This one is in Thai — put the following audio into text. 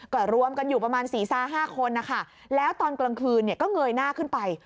ก็รวมกันอยู่ประมาณ๔๕คนนะคะแล้วตอนกลางคืนเนี่ยก็เงยหน้าขึ้นไป